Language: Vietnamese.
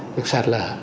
được sạt lở